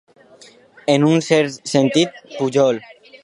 En un cert sentit, pujol.